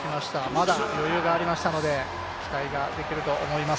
まだ余裕がありましたので期待ができると思います。